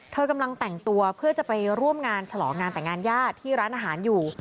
เธอกำลังแต่งตัวเพื่อจะไปร่วมงานฉลองงานแต่งงานญาติที่ร้านอาหารอยู่